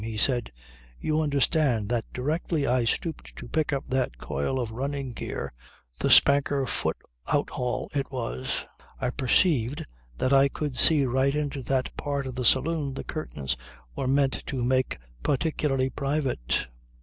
He said: "You understand that directly I stooped to pick up that coil of running gear the spanker foot outhaul, it was I perceived that I could see right into that part of the saloon the curtains were meant to make particularly private.